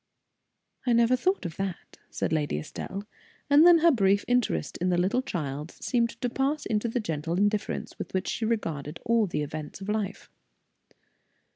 "I never thought of that," said Lady Estelle, and then her brief interest in the little child seemed to pass into the gentle indifference with which she regarded all the events of life.